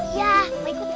iya mau ikut gak